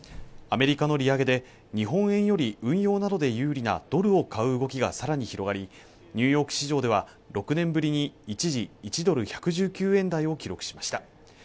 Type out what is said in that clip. アメリカの利上げで日本円より運用などで有利なドルを買う動きがさらに広がりニューヨーク市場では６年ぶりに一時１ドル１１９円台を記録しました